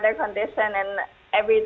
mereka takut seperti mama apa yang terjadi